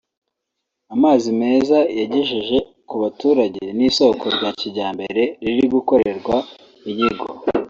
amazi meza yagejeje ku baturage n’isoko rya kijyambere riri gukorerwa inyigo